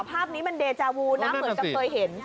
ภาพนี้มันเดจาวูนะเหมือนกับเคยเห็น